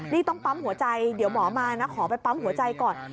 นี่ต้องปั๊มหัวใจเดี๋ยวหมอมานะขอไปปั๊มหัวใจก่อน